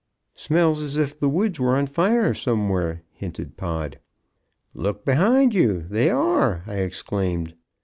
"Smells as if the woods were on fire somewhere," hinted Pod. "Look behind you; they are!" I exclaimed.